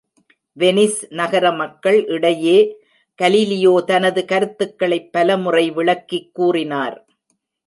Venice நகர மக்கள் இடையே கலீலியோ தனது கருத்துக்களைப் பலமுறை விளக்கிக் கூறினார்!